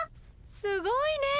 すごいね。